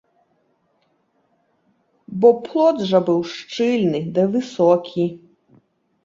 Бо плот жа быў шчыльны ды высокі.